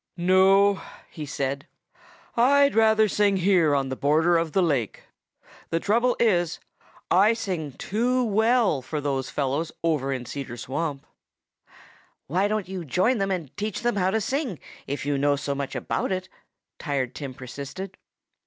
"No!" he said. "I'd rather sing here on the border of the lake. The trouble is, I sing too well for those fellows over in Cedar Swamp." "Why don't you join them and teach them how to sing, if you know so much about it?" Tired Tim persisted.